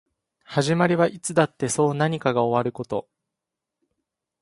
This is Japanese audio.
始まりはいつだってそう何かが終わること